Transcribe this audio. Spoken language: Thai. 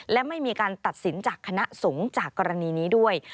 และไม่มีการตัดสินจากคณะสงฆ์จากกรณีนี้ด้วย